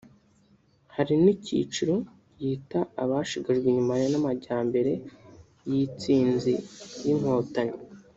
Hari n’icyiciro yita “abashigajwe inyuma n’amajyambere (y’intsinzi y’Inkotanyi)”